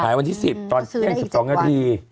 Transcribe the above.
หายวันที่๑๐ตอนเต้น๑๒นาที